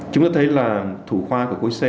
chúng ta thấy là thủ khoa của cối c